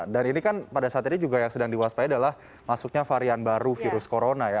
dan ini kan pada saat ini juga yang sedang diwaspai adalah masuknya varian baru virus corona ya